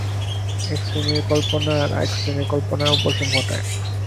এক শ্রেণীর কল্পনা আর এক শ্রেণীর কল্পনার উপশম ঘটায়।